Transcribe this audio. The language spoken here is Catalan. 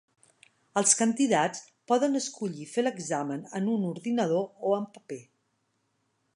Els candidats poden escollir fer l'examen en un ordinador o en paper.